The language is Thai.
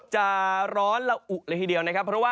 จะร้อนหรืออุ๊บแหล่ยทีเดียวนะครับ